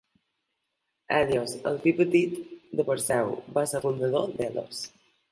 Helios, el fill petit de Perseu, va ser el fundador d'Helos.